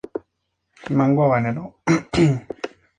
La nieve era transportada mediante yeguas desde la Sierra de Guadarrama.